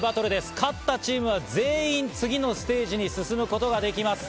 勝ったチームは全員次のステージに進むことができます。